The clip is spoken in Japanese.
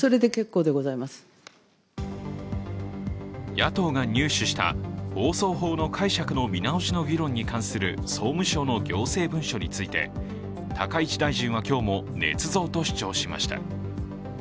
野党が入手した放送法の解釈の見直しの議論に関する総務省の行政文書について、高市大臣は今日もねつ造と主張しました。